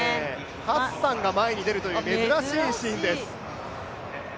ハッサンが前に出るという珍しいシーンです。